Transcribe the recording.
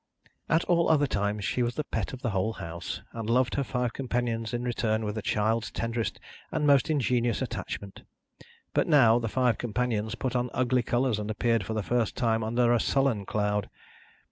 At all other times she was the pet of the whole house, and loved her five companions in return with a child's tenderest and most ingenuous attachment; but now, the five companions put on ugly colours, and appeared for the first time under a sullen cloud.